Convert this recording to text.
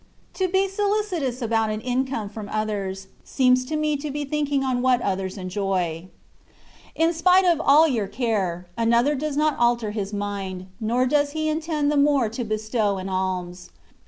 To be solicitous about an income from others^ seems to me to be thinking THE WAY OF PERFECTION. d on what others enjoy. In spite of all your care, another does not alter his mind, nor does he intend the more to bestow an ahns.